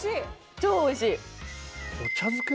・超おいしい。